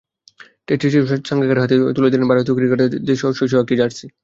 টেস্টের শেষেও সাঙ্গাকারার হাতে তুলে দিলেন ভারতীয় ক্রিকেটারদের সইসহ একটি জার্সি।